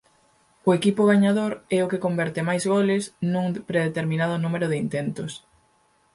O equipo gañador é o que converte máis goles nun predeterminado número de intentos.